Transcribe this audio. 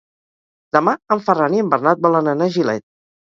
Demà en Ferran i en Bernat volen anar a Gilet.